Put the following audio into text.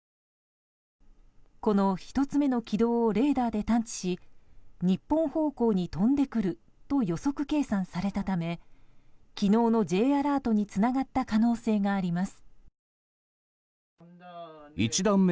この１つ目の軌道をレーダーで探知し日本方向に飛んでくると予測計算されたため昨日のＪアラートにつながった可能性があります。